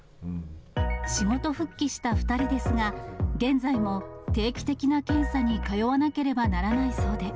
仕事復帰した２人ですが、現在も定期的な検査に通わなければならないそうで。